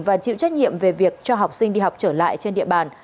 và chịu trách nhiệm về việc cho học sinh đi học trở lại trên địa bàn